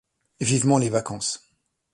Vivement les vacances !